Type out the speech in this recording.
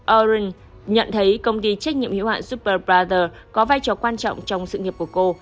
orange nhận thấy công ty trách nhiệm hữu hạn superbrother có vai trò quan trọng trong sự nghiệp của cô